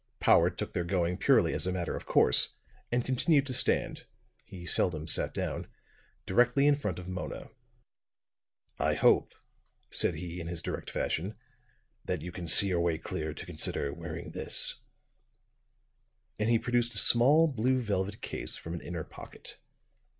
Powart took their going purely as a matter of course, and continued to stand he seldom sat down directly in front of Mona. "I hope," said he in his direct fashion, "that you can see your way clear to consider wearing this," and he produced a small, blue velvet case from an inner pocket.